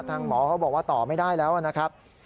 หมอเขาบอกว่าต่อไม่ได้แล้วนะครับ